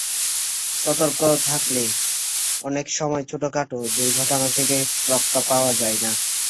সতর্ক থাকলেও অনেক সময় ছোটখাটো দুর্ঘটনা থেকে রক্ষা পাওয়া যায় না।